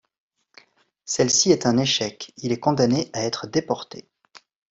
Celle-ci est un échec, il est condamné à être déporté.